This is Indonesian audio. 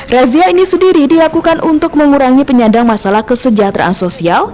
razia ini sendiri dilakukan untuk mengurangi penyandang masalah kesejahteraan sosial